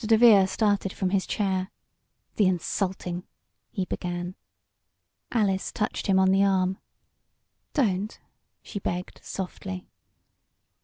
DeVere started from his chair. "The insulting " he began. Alice touched him on the arm. "Don't!" she begged, softly.